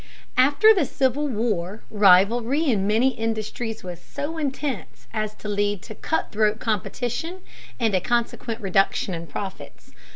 After the Civil War, rivalry in many industries was so intense as to lead to "cutthroat" competition and a consequent reduction in profits.